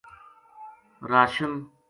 راشن